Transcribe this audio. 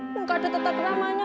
bukan tertata gelamannya